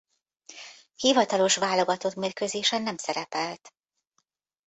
Hivatalos válogatott mérkőzésen nem szerepelt.